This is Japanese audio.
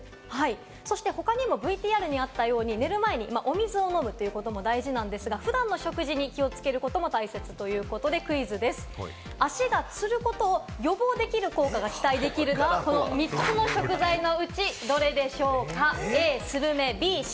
そして他にもＶＴＲにあったように、寝る前にお水を飲むということも大事なんですが、普段の食事で気をつけることも大切ということで、足がつることを予防できる、効果が期待できるのは、この３つの食材のうちどれでしょうか？